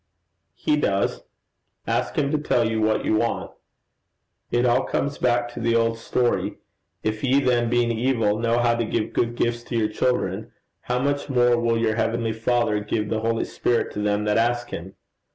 'He does: ask him to tell you what you want. It all comes back to the old story: "If ye then being evil, know how to give good gifts to your children, how much more will your heavenly Father give the holy Spirit to them that ask him!"